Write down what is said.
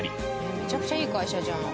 めちゃくちゃいい会社じゃん。